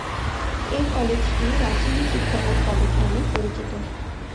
এই কলেজটি "রাজশাহী শিক্ষা বোর্ড কলেজ" নামে পরিচিত।